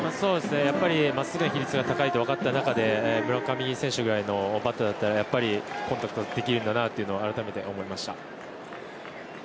真っすぐの比率が高いと分かっていた中で村上選手くらいのバッターだったらコンタクトできるんだなというのを改めて思いました。